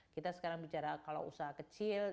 kita sekarang bicara kalau usaha kecil